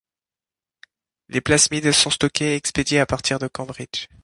Les plasmides sont stockés et expédiés à partir de Cambridge.